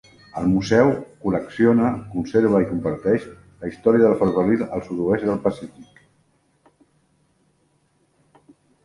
El museu col·lecciona, conserva i comparteix la història del ferrocarril al sud-oest del Pacífic.